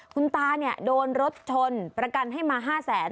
คุณตาเนี่ยโดนรถชนประกันให้มา๕แสน